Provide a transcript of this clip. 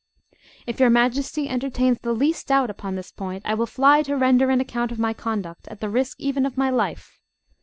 If your Majesty entertains the least doubt upon this point, I will fly to render an account of my conduct, at the risk even of my life.